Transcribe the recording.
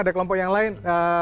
ada kelompok yang lain